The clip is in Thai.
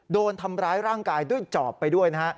โดนทำร้ายร่างกายด้วยจอบไปด้วยนะฮะ